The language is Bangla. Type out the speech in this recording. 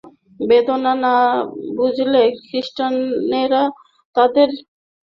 বেদান্ত না বুঝলে খ্রীষ্টানেরা তাদের নিউ টেষ্টামেণ্টও বুঝতে পারে না।